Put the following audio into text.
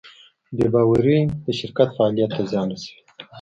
بېباورۍ د شرکت فعالیت ته زیان رسوي.